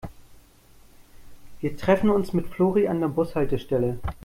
Wir treffen uns mit Flori an der Bushaltestelle.